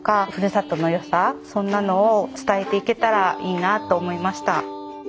そんなのを伝えていけたらいいなと思いました。